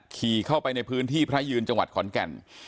ขี่เข้าไปในพื้นที่พระยืนจังหวัดขอนแก่น